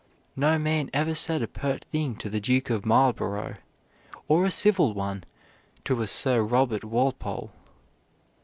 No man ever said a pert thing to the Duke of Marlborough, or a civil one to Sir Robert Walpole."